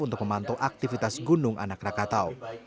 untuk memantau aktivitas gunung anak rakatau